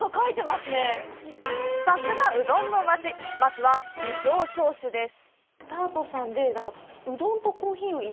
さすがうどんの町まずは事情聴取です